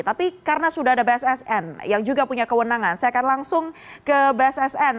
tapi karena sudah ada bssn yang juga punya kewenangan saya akan langsung ke bssn